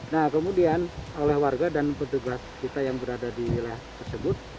nah kemudian oleh warga dan petugas kita yang berada di wilayah tersebut